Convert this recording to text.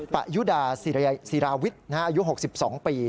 ปะยุดาศิราวิทย์อายุ๖๒ปี